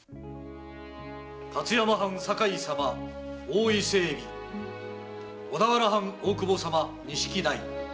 「勝山藩・酒井様大伊勢海老」「小田原藩・大久保様錦鯛。